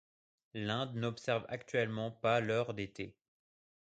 L'Inde n'observe actuellement pas l'heure d'été.